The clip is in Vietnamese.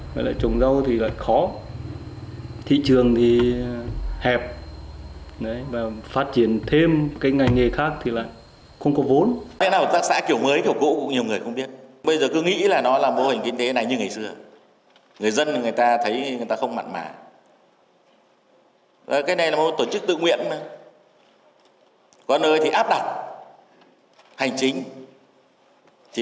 với lại trồng rau thì lại khó thị trường thì hẹp và phát triển thêm cái ngành nghề khác thì lại